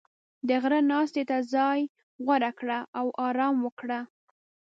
• د غره ناستې ته ځای غوره کړه او آرام وکړه.